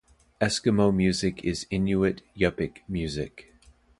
Eskimo music is Inuit-Yupik music.